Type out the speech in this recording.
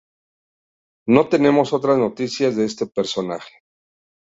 No tenemos otras noticias de este personaje.